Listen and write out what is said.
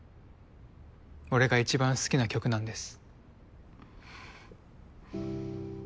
俺が一番好きな曲なんです